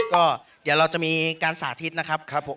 ก็เดี๋ยวเราจะมีการสาธิตนะครับผม